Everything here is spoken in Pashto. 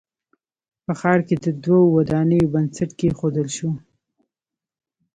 په ښار کښې د دوو ودانیو بنسټ کېښودل شو